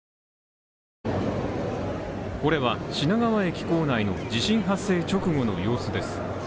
これは品川駅構内の地震発生直後の映像です。